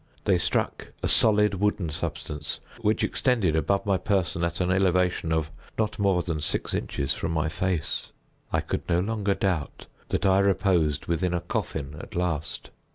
They struck a solid wooden substance, which extended above my person at an elevation of not more than six inches from my face. I could no longer doubt that I reposed within a coffin at last.